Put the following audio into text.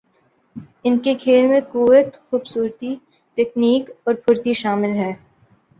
ان کے کھیل میں قوت، خوبصورتی ، تکنیک اور پھرتی شامل ہے